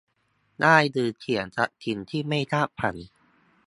ได้หรือเสียจากสิ่งที่ไม่คาดฝัน